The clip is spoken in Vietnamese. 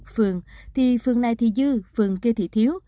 phường thì phường này thì dư phường kia thị thiếu